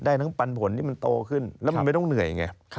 ทั้งปันผลที่มันโตขึ้นแล้วมันไม่ต้องเหนื่อยไง